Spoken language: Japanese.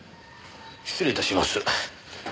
失礼致します。